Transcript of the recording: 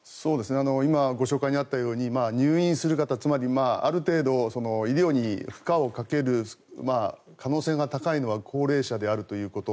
今、ご紹介にあったように入院する方、つまりある程度医療に負荷をかける可能性が高いのは高齢者であるということ。